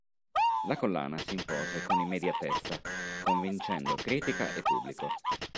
La collana si impose con immediatezza convincendo critica e pubblico.